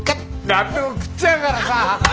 何でも食っちゃうからさ！